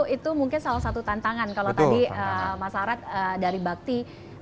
itu mungkin salah satu tantangan kalau tadi mas aret dari bakti